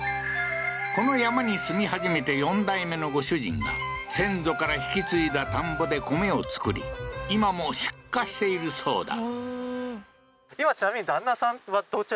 この山に住み始めて４代目のご主人が先祖から引き継いだ田んぼで米を作り、今も出荷しているそうだ。